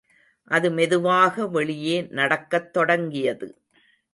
அது மெதுவாக வெளியே நடக்கத் தொடங்கியது.